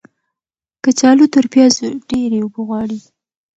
کچالو تر پیازو ډیرې اوبه غواړي.